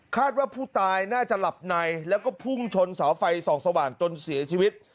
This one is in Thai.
ว่าผู้ตายน่าจะหลับในแล้วก็พุ่งชนเสาไฟส่องสว่างจนเสียชีวิต